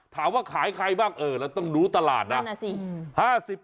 ถามว่าขายใครบ้างเออเราต้องรู้ตลาดนะ